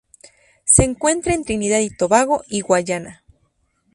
Se encuentra en Trinidad y Tobago y Guyana.